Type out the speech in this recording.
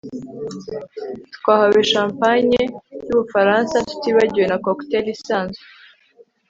twahawe champagne yubufaransa, tutibagiwe na cocktail isanzwe